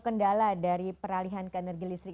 kendala dari peralihan ke energi listrik